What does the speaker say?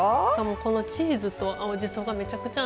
このチーズと青じそがめちゃくちゃ合います。